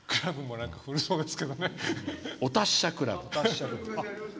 お達者クラブ。